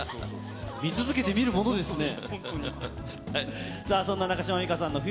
見続けてみるものですね。